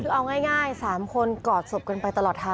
คือเอาง่าย๓คนกอดศพกันไปตลอดทาง